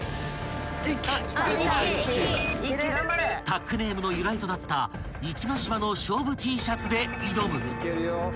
［タックネームの由来となった壱岐島の勝負Ｔシャツで挑む］